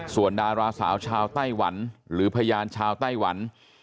ส่วนดาราสาวชาวไต้หวันหรือพยานชาวไต้หวัน